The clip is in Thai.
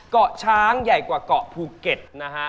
เกาะช้างใหญ่กว่าเกาะภูเก็ตนะฮะ